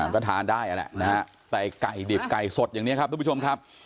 ก็ทานได้แต่ไข่ดิบไข่สดอย่างนี้ครับทุกผู้ชมครับ